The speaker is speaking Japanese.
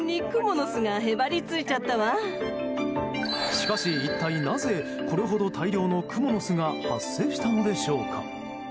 しかし、一体なぜこれほど大量のクモの巣が発生したのでしょうか。